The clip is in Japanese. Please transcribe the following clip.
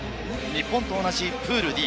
日本と同じプールＤ。